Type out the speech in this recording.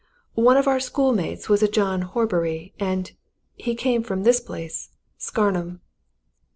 One of our schoolmates was a John Horbury. And he came from this place Scarnham."